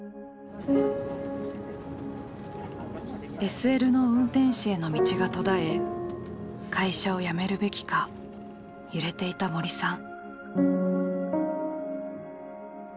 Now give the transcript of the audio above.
ＳＬの運転士への道が途絶え会社を辞めるべきか揺れていた森さん。